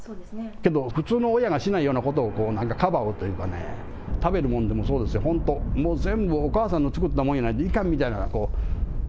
けど、普通の親がしないようなことをなんかかばうというかね、食べるものでもそうですよ、本当、もう全部お母さんの作ったもんやないといかんみたいな。